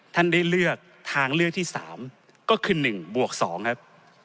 ท่านได้เลือกทางเลือกที่๓ก็คือ๑บวก๒ครับ